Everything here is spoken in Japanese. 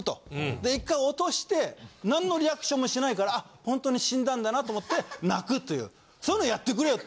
で１回落として何のリアクションもしないからほんとに死んだんだなと思って泣くというそういうのやってくれよって。